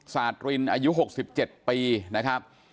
สาดรินอายุ๖๗ปีนะครับ